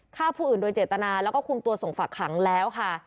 ฆ่าผู้อื่นโดยเจตนาแล้วก็คุมตัวส่งฝักขังแล้วค่ะ